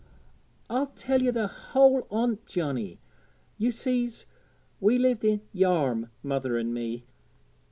'I'll tell ye the whole on't, Johnnie. Ye sees, we lived i' Yarm mother and me.